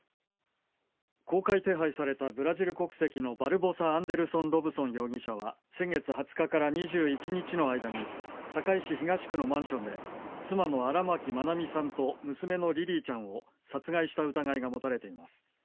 公開手配されたブラジル国籍のバルボサ・アンデルソン・ロブソン容疑者は先月２０日から２１日の間に堺市東区のマンションで妻の荒牧愛美さんと娘のリリィちゃんを殺害した疑いが持たれています。